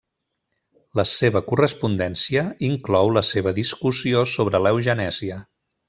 La seva correspondència inclou la seva discussió sobre l'eugenèsia.